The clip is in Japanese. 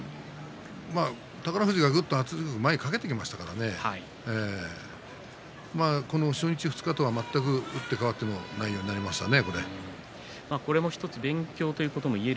宝富士がぐっと圧力を前にかけていきましたからね初日、二日目とは全く打って変わった内容になりましたね。